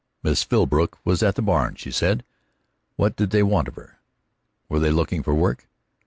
Miss Philbrook was at the barn, she said. What did they want of her? Were they looking for work?